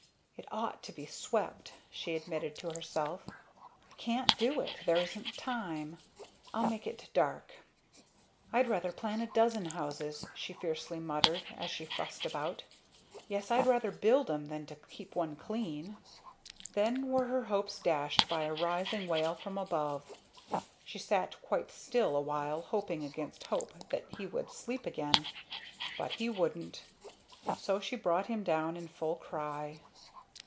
"It ought to be swept," she admitted to herself; "I can't do it there isn't time. I'll make it dark " "I'd rather plan a dozen houses!" she fiercely muttered, as she fussed about. "Yes I'd rather build 'em than to keep one clean!" Then were her hopes dashed by a rising wail from above. She sat quite still awhile, hoping against hope that he would sleep again; but he wouldn't. So she brought him down in full cry.